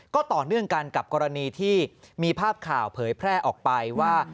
ก็ต่อเนื่องกันกับกรณีที่มีภาพข่าวเผยแพร่ออกไปว่า